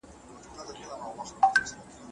دا د بیدارۍ یو نوی غږ معلومېږي.